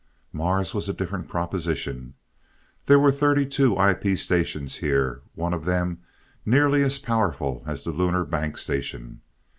Mars was a different proposition. There were thirty two IP stations here, one of them nearly as powerful as the Lunar Bank station.